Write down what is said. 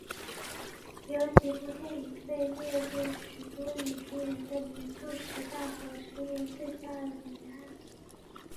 有几部电影被列入许多影评人的年度十大和十年最佳的名单里。